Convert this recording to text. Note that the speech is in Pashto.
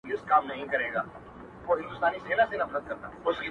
يارانو مخ ورځني پټ کړئ گناه کاره به سئ,